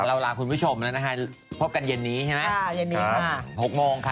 เราลาคุณผู้ชมแล้วนะคะพบกันเย็นนี้ใช่ไหม